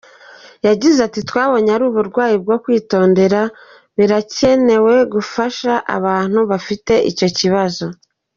Yagize ati “Twabonye ari uburwayi bwo kwitondera, birakenewe gufasha abantu bafite icyo kibazo.